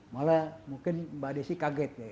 malah mungkin mbak desi kaget ya